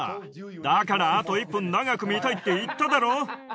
だからあと１分長く見たいって言っただろ？